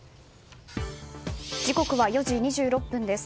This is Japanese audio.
時刻は４時２６分です。